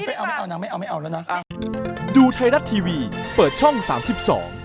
ปับปับปับปับ